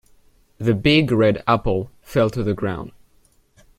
The big red apple fell to the ground.